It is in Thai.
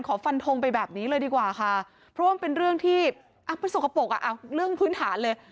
ฟันทงไปแบบนี้เลยดีกว่าค่ะเพราะว่ามันเป็นเรื่องที่มันสกปรกอ่ะเรื่องพื้นฐานเลย